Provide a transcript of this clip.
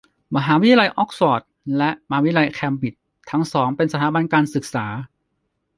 มหาวิทยาลัยอ๊อกซ์ฟอร์ด และ มหาวิทยาลัยแคมบริดจ์ ทั้งสองเป็นสถาบันการศึกษา